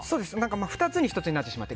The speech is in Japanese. ２つに１つになってしまって。